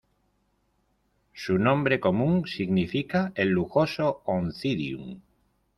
Su nombre común significa "el lujoso Oncidium".